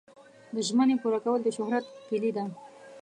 د ژمنې پوره کول د شهرت کلي ده.